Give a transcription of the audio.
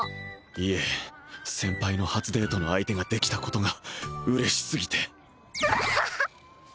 いえ先輩の初デートの相手ができたことが嬉しすぎてんあっ！